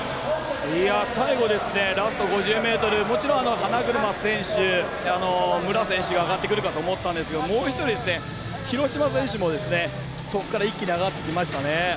最後、ラスト５０ｍもちろん花車選手、武良選手が上がってくるかと思ったんですがもう１人廣島選手もそこから一気に上がってきましたね。